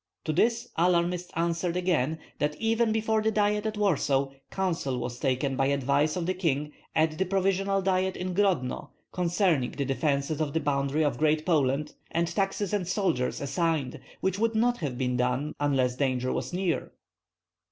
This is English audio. To this alarmists answered again that even before the Diet at Warsaw counsel was taken by advice of the king at the provincial diet in Grodno concerning the defence of the boundary of Great Poland, and taxes and soldiers assigned, which would not have been done unless danger was near.